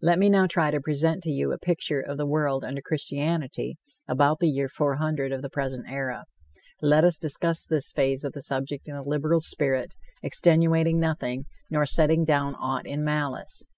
Let me now try to present to you a picture of the world under Christianity about the year 400 of the present era. Let us discuss this phase of the subject in a liberal spirit, extenuating nothing, nor setting down aught in malice.